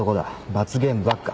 罰ゲームばっか。